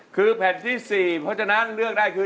คือแผ่นที่๔เพราะฉะนั้นเลือกได้คือ